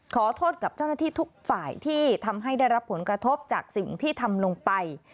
ขอโทษกับเจ้าหน้าที่ทุกฝ่ายที่ทำให้ได้รับผลกระทบจากสิ่งที่ทำลงไป